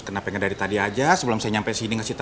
kenapa ngedari tadi aja sebelum saya nyampe sini ngasih taunya